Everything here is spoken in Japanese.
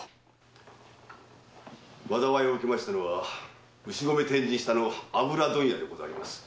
災いを受けましたのは牛込天神下の油問屋でございます。